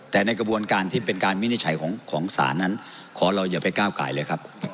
แต่ในกระบวนการที่เป็นการวินิจฉัยของศาลนั้นขอเราอย่าไปก้าวกายเลยครับ